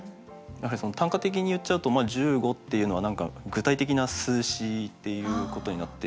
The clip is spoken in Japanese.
短歌的に言っちゃうと「十五」っていうのは何か具体的な数詞っていうことになるんですけど。